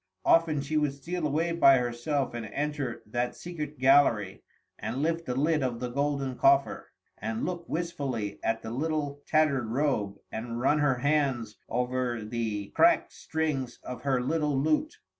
Often she would steal away by herself and enter that secret gallery, and lift the lid of the golden coffer, and look wistfully at the little tattered robe, and run her hands over the cracked strings of her little lute.